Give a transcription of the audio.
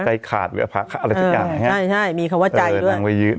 ใจขาดอะไรสักอย่างเออใช่ใช่มีคำว่าใจด้วยเออนางไปยืน